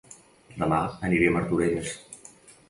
Dema aniré a Martorelles